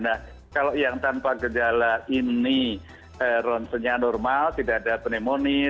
nah kalau yang tanpa gejala ini ronsenya normal tidak ada pneumonia